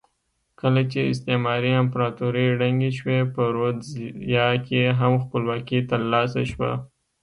کله چې استعماري امپراتورۍ ړنګې شوې په رودزیا کې هم خپلواکي ترلاسه شوه.